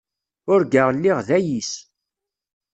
Urgaɣ lliɣ d ayis.